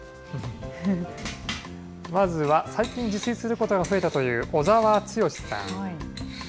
まずは最近、自炊することが増えたという、小沢健史さん。